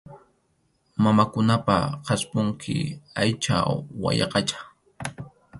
Mamakunapa qhasqunpi aycha wayaqacha.